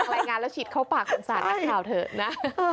แล้วฉีดเข้าปากของสารนักข่าวเถอะนะ